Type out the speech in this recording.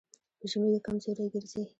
په ژمي کې کمزوری ګرځي.